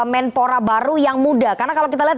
menpora baru yang muda karena kalau kita lihat